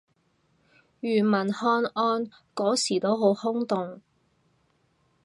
庾文翰案嗰時都好轟動